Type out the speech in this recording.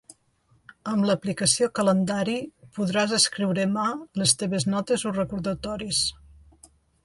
Amb l'aplicació calendari, podràs escriure a mà les teves notes o recordatoris.